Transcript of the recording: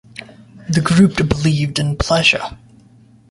The Group believed in pleasure ...